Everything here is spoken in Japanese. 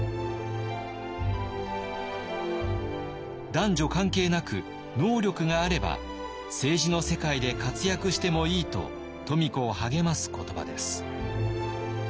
男女関係なく能力があれば政治の世界で活躍してもいいと富子を励ます言葉です。